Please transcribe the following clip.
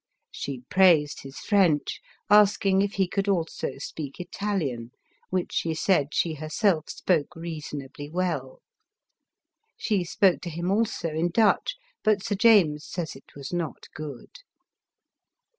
She praised his French, asking if he could also speak Italian, which she said she her self spoke reasonably well. She spoke to him also in Dutch ; but Sir James says it was not good.